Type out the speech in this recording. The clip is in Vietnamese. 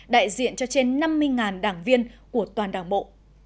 đại diện cho trên năm mươi đảng viên của toàn đảng bộ